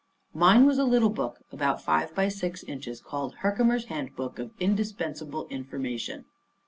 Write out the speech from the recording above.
Mine was a little book about five by six inches called "Herkimer's Handbook of Indispensable Information."